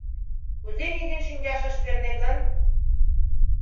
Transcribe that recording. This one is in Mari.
Кузе нигӧн шинчаш ыш перне гын?